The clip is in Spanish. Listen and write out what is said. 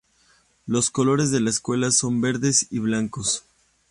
Los colores de la escuela son verdes y blancos.